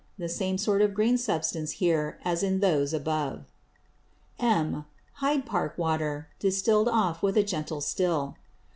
The same sort of green Substance here as in those above. (M.) Hyde Park Water, distilled off with a gentle Still.